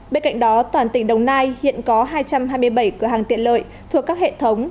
bên cạnh đó toàn tỉnh đồng nai hiện có hai trăm hai mươi bảy cửa hàng tiện lợi thuộc các hệ thống